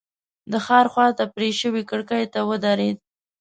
د ښار خواته پرې شوې کړکۍ ته ودرېد.